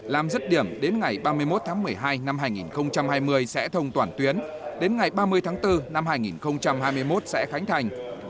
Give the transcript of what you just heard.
làm dứt điểm đến ngày ba mươi một tháng một mươi hai năm hai nghìn hai mươi sẽ thông toàn tuyến đến ngày ba mươi tháng bốn năm hai nghìn hai mươi một sẽ khánh thành